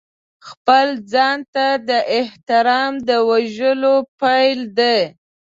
خپل ځان ته د احترام د وژلو پیل دی.